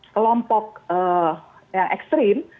kelompok yang ekstrim